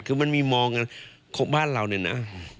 คือมันมีมองกันบ้านเราเนี่ยนะ